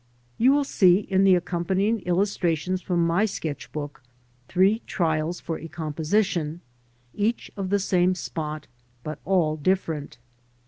You will s^e in the accompanying illustrations from my sketch book three trials for a composition, each of the same spot, but all different.